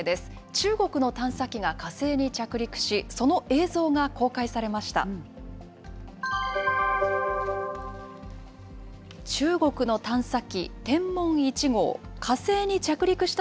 中国の探査機が火星に着陸し、その映像が公開されました。